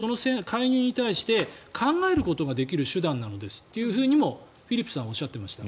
だから、起こった戦争その介入に対して考えることができる手段なのですともフィリップさんはおっしゃっていました。